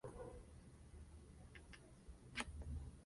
Andreas"; en ucraniano: Собор Покрови Пресвятої Богородиці та Св.